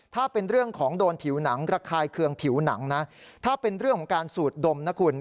ถ้าเป็นเรื่องของโดนผิวหนังระคายเคืองผิวหนังนะถ้าเป็นเรื่องของการสูดดมนะคุณ